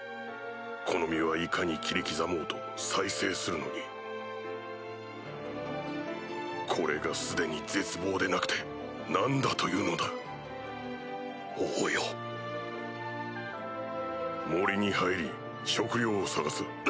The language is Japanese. この身はいかに切り刻もうと再生するのにこれが既に絶望でなくて何だ王よ森に入り食料を探す